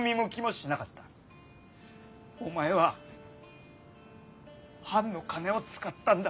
お前は藩の金を使ったんだ。